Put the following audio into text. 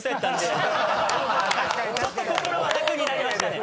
ちょっと心は楽になりましたね。